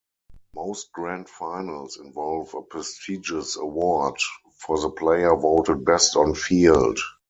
Most grand finals involve a prestigious award for the player voted best on field.